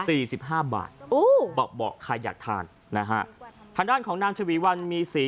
สี่สิบห้าบาทอู้บอกบอกใครอยากทานนะฮะฐานด้านของนางชวีวัลมีสี่